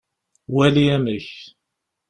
Wali amek!